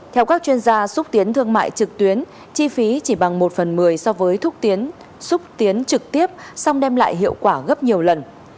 theo các chuyên gia xúc tiến thương mại trực tuyến chi phí chỉ bằng một phần một mươi so với thúc tiến xúc tiến trực tiếp song đem lại hiệu quả gấp nhiều lần